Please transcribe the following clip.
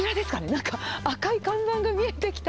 なんか赤い看板が見えてきた。